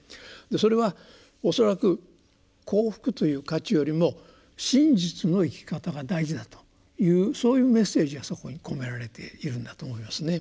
それは恐らく幸福という価値よりも真実の生き方が大事だというそういうメッセージがそこに込められているんだと思いますね。